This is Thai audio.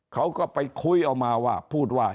เขาก็ไปคุยเอามาว่าพูดว่า